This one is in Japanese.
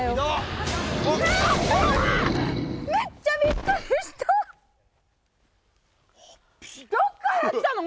めっちゃびっくりした。